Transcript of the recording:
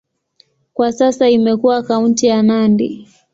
Kwa sasa imekuwa kaunti ya Nandi.